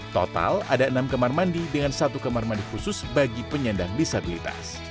total ada enam kamar mandi dengan satu kamar mandi khusus bagi penyandang disabilitas